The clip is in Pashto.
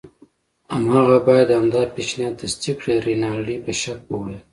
هماغه باید همدا پیشنهاد تصدیق کړي. رینالډي په شک وویل.